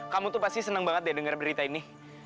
kamu pasti sangat senang mendengar berita ini